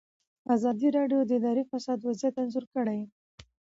ازادي راډیو د اداري فساد وضعیت انځور کړی.